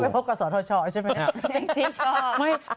ชอบไปพบกับสวทชใช่ไหม